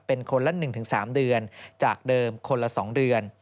เป็นคนละ๑๓เดือนจากเดิมคนละ๒เดือน